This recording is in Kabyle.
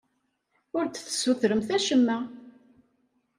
Ur d-tessutremt acemma.